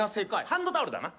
ハンドタオルだな。